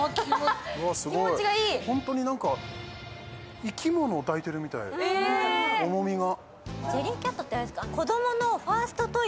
ホントに何か生き物を抱いてるみたい重みが。